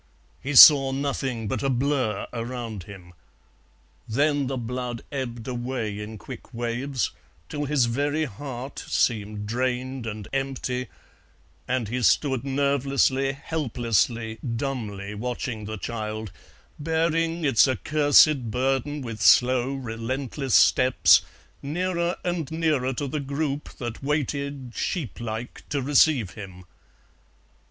He saw nothing but a blur around him. Then the blood ebbed away in quick waves, till his very heart seemed drained and empty, and he stood nervelessly, helplessly, dumbly watching the child, bearing its accursed burden with slow, relentless steps nearer and nearer to the group that waited sheep like to receive him.